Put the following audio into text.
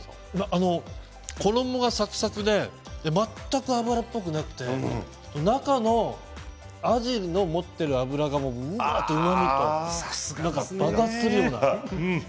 衣がサクサクで全く油っぽくなくて中のアジの持っている脂がぶわっと、うまみとさすがですね